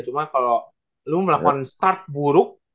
cuma kalo lu melawan start buruk